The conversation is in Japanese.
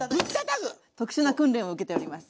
特殊な訓練を受けております。